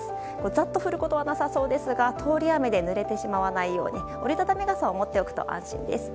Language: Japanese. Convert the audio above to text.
ザッと降ることはなさそうですが通り雨でぬれないように折り畳み傘を持っておくと安心です。